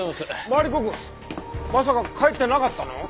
マリコくんまさか帰ってなかったの？